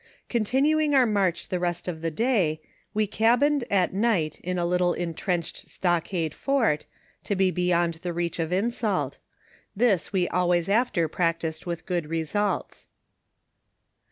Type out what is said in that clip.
Continuing our inarch the rest of the day, we cabined at night in a little in trenched stockade fort, to be beyond reach of insult ; tliis we always after practised with good results.